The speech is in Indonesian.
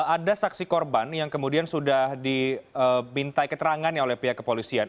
ada saksi korban yang kemudian sudah dibintai keterangannya oleh pihak kepolisian